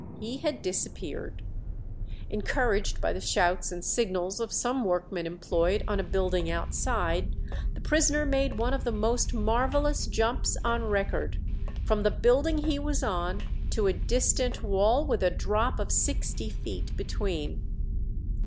He had disappeared. Encouraged by the shouts and signals of some workmen employed on a building outside, the prisoner made one of the most marvellous jumps on record, from the building he was on to a distant wall, with a drop of sixty feet between.